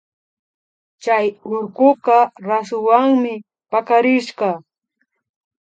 Chay urkuka rasuwanmi pakarishka